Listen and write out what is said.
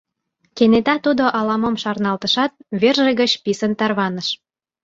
Кенета тудо ала-мом шарналтышат, верже гыч писын тарваныш.